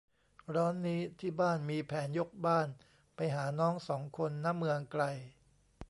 ร้อนนี้ที่บ้านมีแผน ยกบ้านไปหาน้องสองคน ณ เมืองไกล